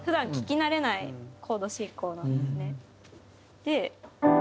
慣れないコード進行なんですね。